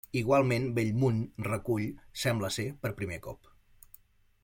Igualment, Bellmunt recull, sembla ser per primer cop.